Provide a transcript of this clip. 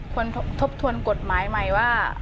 ควรทบทวนกฎหมายไหมว่า